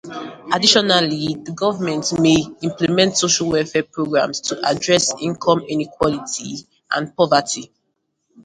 Additionally, the government may implement social welfare programs to address income inequality and poverty.